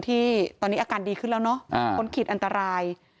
ที่ตอนนี้อาการดีขึ้นแล้วเนอะพ้นขีดอันตราย